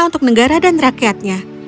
untuk negara dan rakyatnya